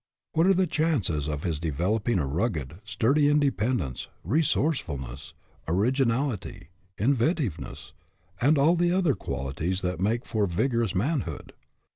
What are the chances of his de veloping a rugged, sturdy independence, re sourcefulness, originality, inventiveness, and all the other qualities that make for vigorous manhood?